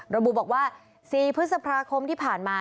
ระบุบอกว่า๔พฤษภาคมที่ผ่านมา